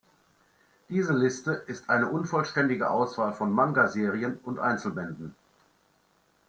Diese Liste ist eine unvollständige Auswahl von Manga-Serien und -Einzelbänden.